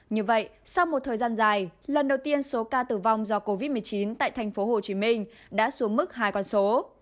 như vậy sau một thời gian dài lần đầu tiên số ca tử vong do covid một mươi chín tại tp hcm đã xuống mức hai con số